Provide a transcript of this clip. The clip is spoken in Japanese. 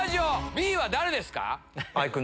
Ｂは誰ですか？